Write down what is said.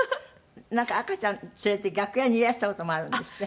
なんか赤ちゃん連れて楽屋にいらした事もあるんですって？